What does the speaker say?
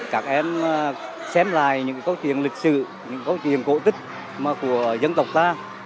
các em xem lại những câu chuyện lịch sử những câu chuyện cổ tích của dân tộc ta